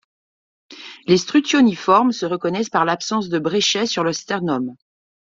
Les Struthioniformes se reconnaissent par l'absence de bréchet sur leur sternum.